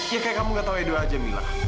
ya kayak kamu gak tau edo aja mila